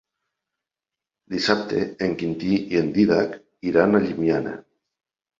Dissabte en Quintí i en Dídac iran a Llimiana.